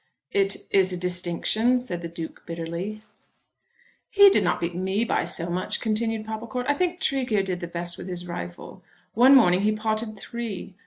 "It is a distinction," said the Duke bitterly. "He did not beat me by so much," continued Popplecourt. "I think Tregear did the best with his rifle. One morning he potted three.